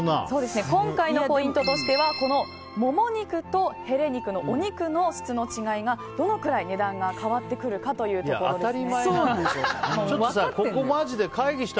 今回のポイントとしてはモモ肉とヘレ肉のお肉の質の違いがどのくらい値段が変わってくるかですね。